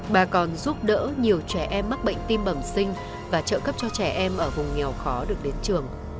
bà còn giúp đỡ nhiều trẻ em mắc bệnh tim bẩm sinh và trợ cấp cho trẻ em ở vùng nghèo khó được đến trường